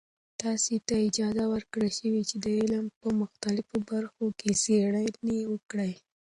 تاسې ته اجازه ورکړل شوې چې د علم په مختلفو برخو کې څیړنې وکړئ.